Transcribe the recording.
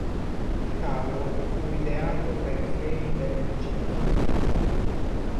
Il cavo fu ideato per i freni delle biciclette.